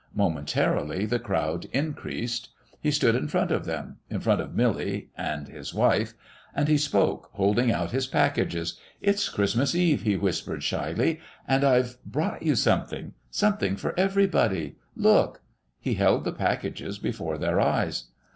Momentarily the crowd increased. He stood in front of them in front of Milly and his wife. And he spoke holding out his packages. "It's Christmas Eve," he whispered shyly, "and I've brought you something something for everybody. Look!" He held the packages before their eyes.